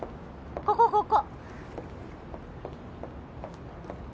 ここここ！